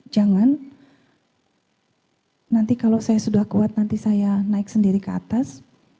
jangan nanti kalau saya sudah kuat nanti saya naik sendiri ke atas